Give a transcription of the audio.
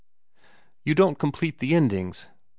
"You don't complete the endings.